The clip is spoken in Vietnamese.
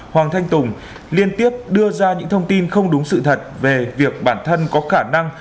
hoàng thanh tùng liên tiếp đưa ra những thông tin không đúng sự thật về việc bản thân có khả năng